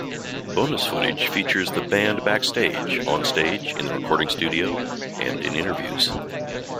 Bonus footage features the band backstage, on-stage, in the recording studio and in interviews.